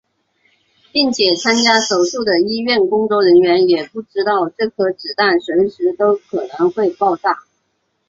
并且参加手术的医院工作人员也不知道这颗子弹随时都可能会爆炸。